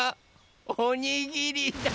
おにぎりだ！